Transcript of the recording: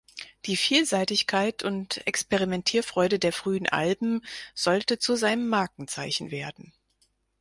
Die Vielseitigkeit und Experimentierfreude der frühen Alben sollte zu seinem Markenzeichen werden.